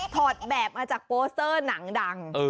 ถอดแบบมาจากโปสเตอร์หนังดัง